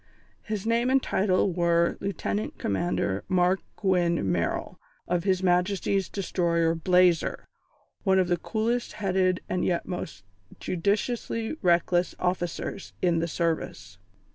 His name and title were Lieutenant Commander Mark Gwynne Merrill, of His Majesty's Destroyer Blazer, one of the coolest headed and yet most judiciously reckless officers in the Service.